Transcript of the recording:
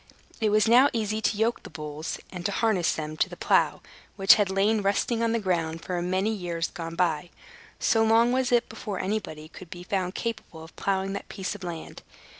It was now easy to yoke the bulls, and to harness them to the plow, which had lain rusting on the ground for a great many years gone by; so long was it before anybody could be found capable of plowing that piece of land.